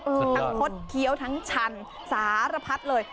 ทั้งคดเคี้ยวทั้งชันสารพัดเลย